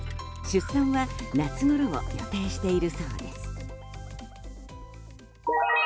出産は夏ごろを予定しているそうです。